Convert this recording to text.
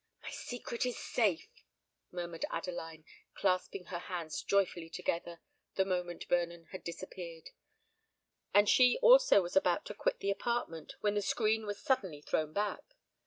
"My secret is safe!" murmured Adeline, clasping her hands joyfully together, the moment Vernon had disappeared;—and she also was about to quit the apartment, when the screen was suddenly thrown back.